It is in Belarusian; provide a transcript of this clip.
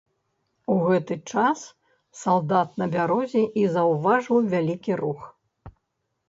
У гэты час салдат на бярозе і заўважыў вялікі рух.